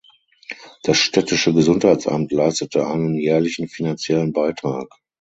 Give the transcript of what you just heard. Das städtische Gesundheitsamt leistete einen jährlichen finanziellen Beitrag.